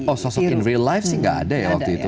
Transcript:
oh sosok indri life sih gak ada ya waktu itu